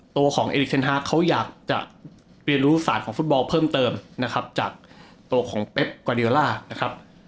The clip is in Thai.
ตัวของเอลิเซ็นฮาร์เขาอยากจะเรียนรู้ศาสตร์ของฟุตบอลเพิ่มเติมนะครับจากตัวของเป๊กกอเดียล่านะครับ